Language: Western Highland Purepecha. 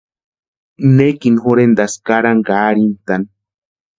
Nekini jorhentaski karani ka arhintani.